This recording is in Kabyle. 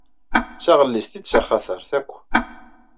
D taɣellist i d taxatart akk.